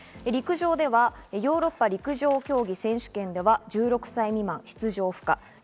陸上ではヨーロッパ陸上競技選手権では１６歳未満出場不可。